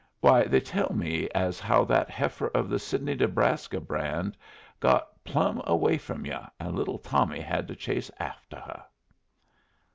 "Why, they tell me as how that heifer of the Sidney Nebraska brand got plumb away from yu', and little Tommy had to chase afteh her."